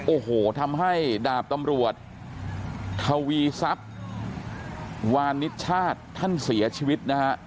โอ้โหทำให้ดาบตำรวจทวีทรัพย์วานิชชาติท่านเสียชีวิตนะฮะ